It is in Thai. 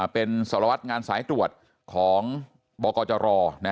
เป็นสรวจงานสายตรวจของบกร